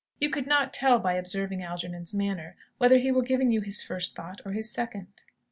You could not tell, by observing Algernon's manner, whether he were giving you his first thought or his second.